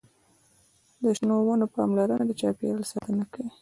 د شنو ونو پاملرنه د چاپیریال ساتنه کوي.